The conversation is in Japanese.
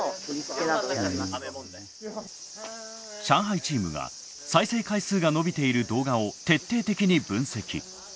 上海チームが再生回数が伸びている動画を徹底的に分析。